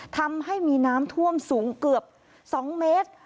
ทำให้มีน้ำท่วมสูงเกือบ๒เมตร